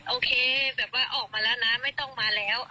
โอเคแบบว่าออกมาแล้วนะไม่ต้องมาแล้ว